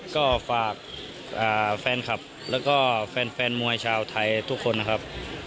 ก็ฝากแฟนคลับแล้วก็แฟนมวยชาวไทยทุกคนนะครับ